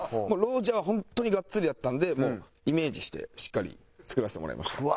もう『ＲＯＳＩＥＲ』は本当にがっつりやったんでもうイメージしてしっかり作らせてもらいました。